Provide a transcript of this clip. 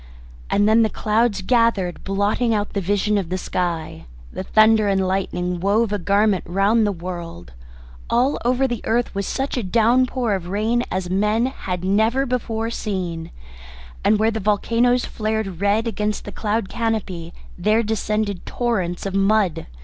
And then the clouds gathered, blotting out the vision of the sky, the thunder and lightning wove a garment round the world; all over the earth was such a downpour of rain as men had never before seen, and where the volcanoes flared red against the cloud canopy there descended torrents of mud.